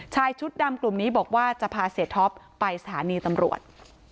ชายชุดดำกลุ่มนี้บอกว่าจะพาเสียท็อปไปสถานีตำรวจ